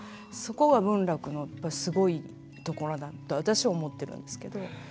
そこが文楽のやっぱりすごいところだと私は思ってるんですけど。